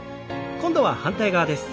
今度は反対側です。